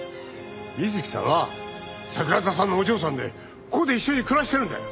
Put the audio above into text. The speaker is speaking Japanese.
美月さんは桜田さんのお嬢さんでここで一緒に暮らしてるんだよ。